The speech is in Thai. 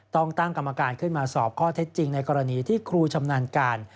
ต้องตั้งกรรมการขึ้นมาสอบข้อเท็จจริงในกรณีที่ครูชำนาญการ